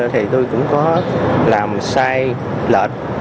thì tôi cũng có làm sai lệch